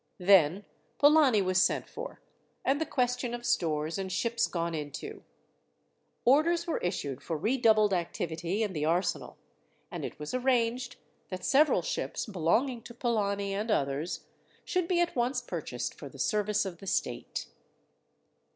Then Polani was sent for, and the question of stores and ships gone into. Orders were issued for redoubled activity in the arsenal, and it was arranged that several ships, belonging to Polani and others, should be at once purchased for the service of the state.